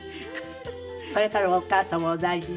これからもお母様をお大事に。